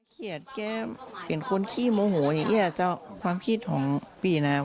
คือเก๊ว่ายน้ำเป็นอันนี้รอบที่สาม